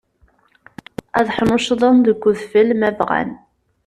Ad ḥnuccḍen deg udfel ma bɣan.